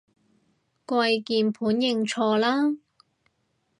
跪鍵盤認錯啦